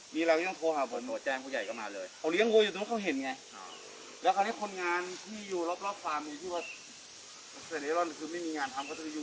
มีเรายังต้องโทรหาหนัวแจ้งผู้ใหญ่เข้ามาเลย